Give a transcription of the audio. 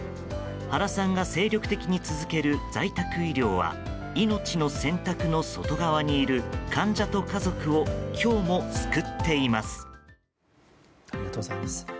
原さんが精力的に続ける在宅医療は命の選択の外側にいる患者と家族を今日も救っています。